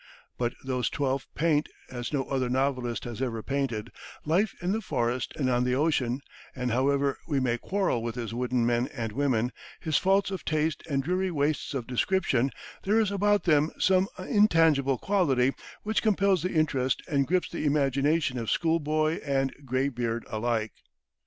But those twelve paint, as no other novelist has ever painted, life in the forest and on the ocean, and however we may quarrel with his wooden men and women, his faults of taste and dreary wastes of description, there is about them some intangible quality which compels the interest and grips the imagination of school boy and gray beard alike.